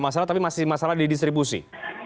masalah tapi masih masalah di distribusi